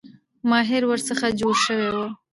ماهر ورڅخه جوړ شوی وو.